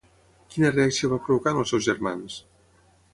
Quina reacció va provocar en els seus germans?